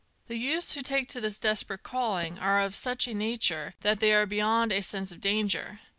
The youths who take to this desperate calling are of such a nature that they are beyond a sense of danger.